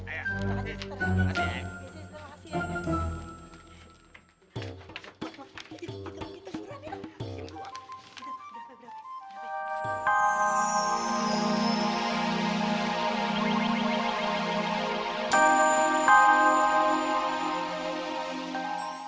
iya betul pak